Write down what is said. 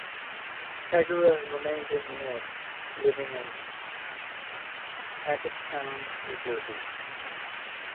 Hargrett remained in the north, living in Hackettstown, New Jersey.